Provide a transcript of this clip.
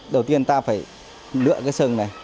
đầu tiên ta phải lựa cái sừng này